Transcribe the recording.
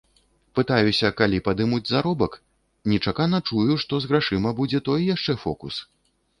Пытаюся, калі падымуць заробак, нечакана чую, што з грашыма будзе той яшчэ фокус.